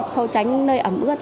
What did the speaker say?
khâu tránh nơi ẩm ướt